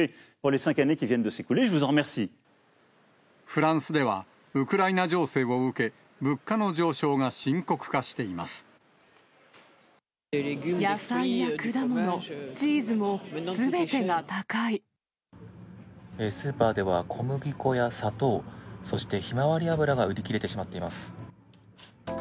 フランスでは、ウクライナ情勢を受け、物価の上昇が深刻化してい野菜や果物、チーズも、スーパーでは、小麦粉や砂糖、そしてヒマワリ油が売り切れてしまっています。